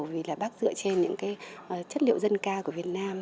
vì là bác dựa trên những cái chất liệu dân ca của việt nam